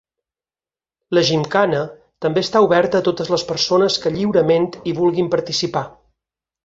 La gimcana també està oberta a totes les persones que lliurement hi vulguin participar.